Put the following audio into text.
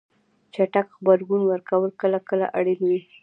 چټک غبرګون ورکول کله کله اړین وي.